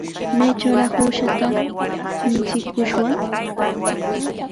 ¿Maytrawraq uushata michikushwan?